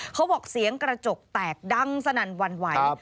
เขาบอกเสียงกระจกแตกดังสนั่นวันไหว